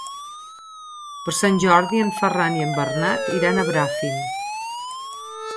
Per Sant Jordi en Ferran i en Bernat iran a Bràfim.